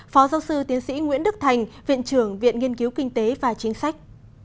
phó giáo sư tiến sĩ nguyễn đức thành viện trưởng viện nghiên cứu kinh tế và chính sách